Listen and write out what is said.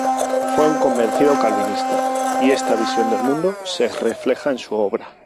Fue un convencido calvinista y esta visión del mundo se refleja en su obra.